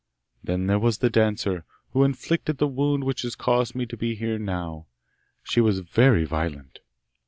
Then there was the dancer, who inflicted the wound which has caused me to be here now; she was very violent!